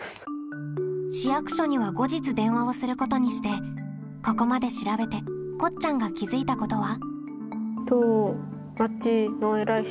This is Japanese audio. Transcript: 市役所には後日電話をすることにしてここまで調べてこっちゃんが気づいたことは？